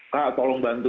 kak tolong bantu